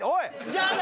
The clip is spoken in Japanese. じゃあな。